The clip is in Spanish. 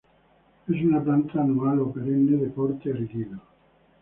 Es una planta anual o perenne de porte erguido.